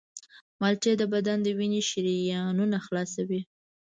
مالټې د بدن د وینې شریانونه خلاصوي.